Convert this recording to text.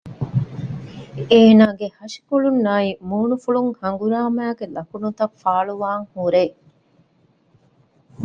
އޭނާގެ ހަށިކޮޅުންނާއި މޫނުފުޅުން ހަނގުރާމައިގެ ލަކުނުތައް ފާޅުވާން ހުރޭ